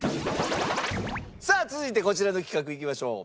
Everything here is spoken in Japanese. さあ続いてこちらの企画いきましょう。